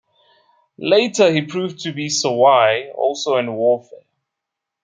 Later he proved to be "Sawai" also in warfare.